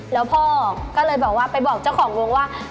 แล้วพ่อก็เลยบอกว่าไปบอกเจ้าของวงว่า